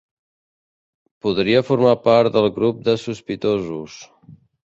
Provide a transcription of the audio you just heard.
Podria formar part del grup de sospitosos.